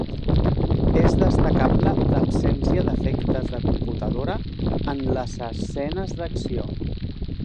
És destacable l'absència d'efectes de computadora en les escenes d'acció.